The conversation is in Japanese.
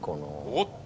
おっと！